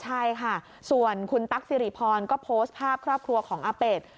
ใช่ค่ะส่วนคุณตั๊กสิริพรก็โพสต์ภาพครอบครัวของอาเป็ด